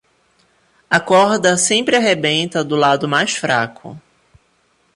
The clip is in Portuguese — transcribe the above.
A corda sempre arrebenta do lado mais fraco